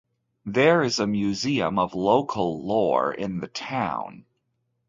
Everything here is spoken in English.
There is a museum of local lore in the town.